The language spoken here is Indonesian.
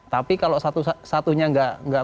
tapi kalau satu satunya gak